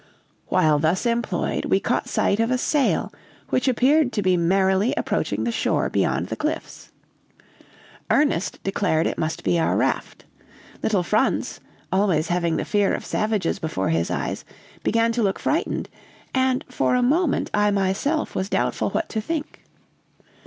"While thus employed, we caught sight of a sail which appeared to be merrily approaching the shore beyond the cliffs. Ernest declared it must be our raft. Little Franz, always having the fear of savages before his eyes, began to look frightened, and for a moment I myself was doubtful what to think.